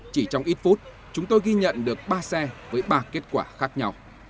chỉ trong ít phút chúng tôi ghi nhận được ba xe với ba kết quả khác nhau